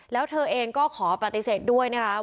แล้วเธอเองก็ขอปฏิเสธด้วยนะครับ